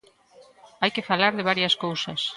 Hai que falar de varias cousas.